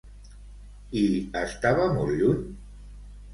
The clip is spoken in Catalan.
I estava molt lluny?